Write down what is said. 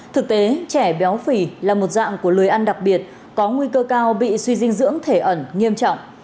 thực tế trẻ béo phì là một dạng của lười ăn đặc biệt có nguy cơ cao bị suy dinh dưỡng thể ẩn nghiêm trọng